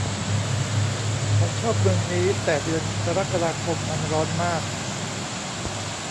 ฉันชอบเมืองนี้แต่เดือนกรกฎาคมมันร้อนมาก